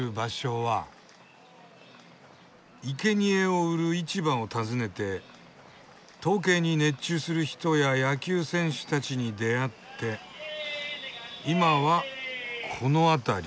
いけにえを売る市場を訪ねて闘鶏に熱中する人や野球選手たちに出会って今はこの辺り。